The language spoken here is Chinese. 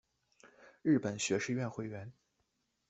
日本学士院会员。